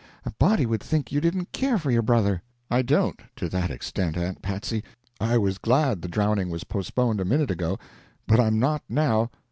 A body would think you didn't care for your brother." "I don't to that extent, Aunt Patsy. I was glad the drowning was postponed a minute ago, but I'm not now.